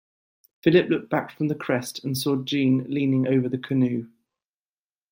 Philip looked back from the crest and saw Jeanne leaning over the canoe.